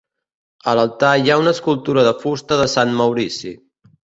A l'altar hi ha una escultura de fusta de Sant Maurici.